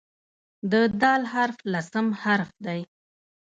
د "د" حرف لسم حرف دی.